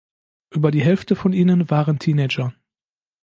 Über die Hälfte von ihnen waren Teenager.